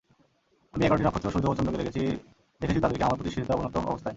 আমি এগারটি নক্ষত্র, সূর্য ও চন্দ্রকে দেখেছি—দেখেছি তাদেরকে আমার প্রতি সিজদাবনত অবস্থায়।